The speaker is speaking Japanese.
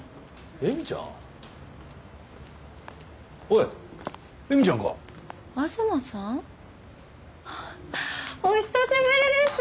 お久しぶりです！